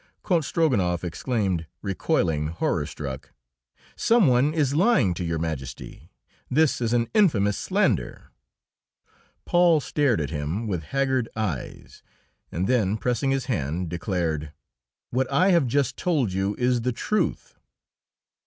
Count Strogonoff exclaimed, recoiling, horror struck: "Some one is lying to Your Majesty! This is an infamous slander!" Paul stared at him with haggard eyes, and then, pressing his hand, declared, "What I have just told you is the truth."